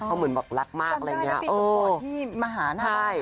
เขาเหมือนบอกรักมากอะไรอย่างนี้ค่ะโอ้โฮจำได้นะปิดสมบัติที่มหาหน้า